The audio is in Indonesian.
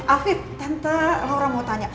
afif tante laura mau tanya